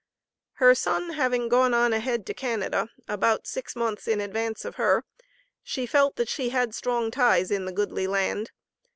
Her son having gone on ahead to Canada about six months in advance of her, she felt that she had strong ties in the goodly land.